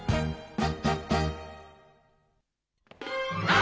「あ！